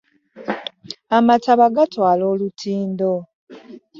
Amataba gatwala olutindo.